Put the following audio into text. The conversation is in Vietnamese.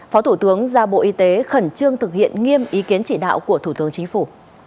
phó thủ tướng ra bộ y tế khẩn trương thực hiện nghiêm ý kiến chỉ đạo của thủ tướng chính phủ